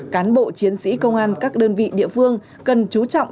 cán bộ chiến sĩ công an các đơn vị địa phương cần chú trọng